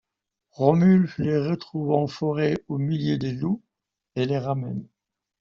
Romulf les retrouve en forêt au milieu des loups et les ramène.